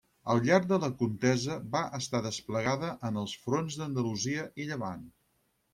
Al llarg de la contesa va estar desplegada en els fronts d'Andalusia i Llevant.